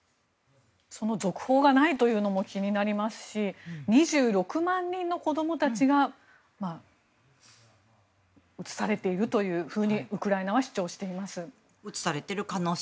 その続報がないというのも気になりますし２６万人の子供たちが移されているというふうにウクライナは主張しています。